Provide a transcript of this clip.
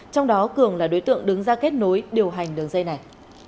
trong đó cường là đối tượng đứng ra kết nối điều hành đường dây này